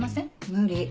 無理。